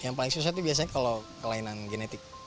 yang paling susah itu biasanya kalau kelainan genetik